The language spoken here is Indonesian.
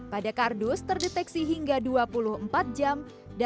pada kardus terdeteksi hingga dua puluh empat jam